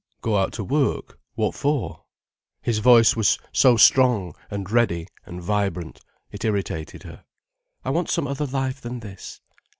"Go out to work, what for?" His voice was so strong, and ready, and vibrant. It irritated her. "I want some other life than this."